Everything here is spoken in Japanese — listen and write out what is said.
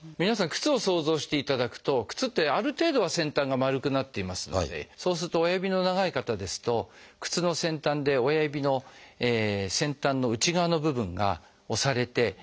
皆さん靴を想像していただくと靴ってある程度は先端が丸くなっていますのでそうすると親指の長い方ですと靴の先端で親指の先端の内側の部分が押されて。